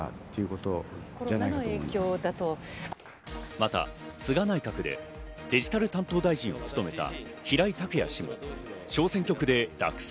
また菅内閣でデジタル担当大臣を務めた平井卓也氏も小選挙区で落選。